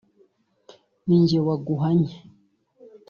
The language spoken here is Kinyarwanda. ninjye waguhannye